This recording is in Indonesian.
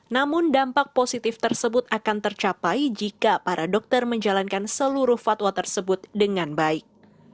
namun dampak positif tersebut akan tercapai jika para dokter menjalankan seluruh fatwa tersebut dengan baik